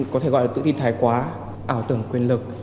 có thể gọi là tự tin thái quá ảo tưởng quyền lực